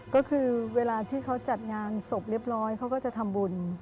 ก็คือเวลาที่เขาจัดงานศพเรียบร้อยเขาก็จะทำบุญ